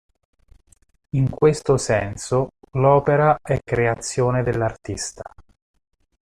In questo senso, l'opera è "creazione" dell'artista.